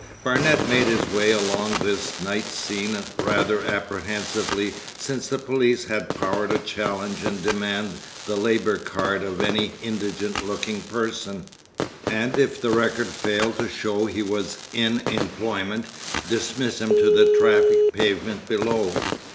Barnet made his way along this night scene rather apprehensively since the police had power to challenge and demand the Labour Card of any indigent looking person, and if the record failed to show he was in employment, dismiss him to the traffic pavement below.